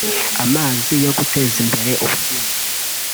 amazi yo guteza imbere ubuhinzi